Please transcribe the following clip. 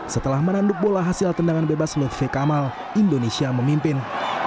setelah menanduk bola hasil tendangan bebas lutfi kamal indonesia memimpin